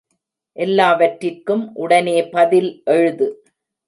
எல்லாவற்றிற்கும் உடனே பதில் எழுது.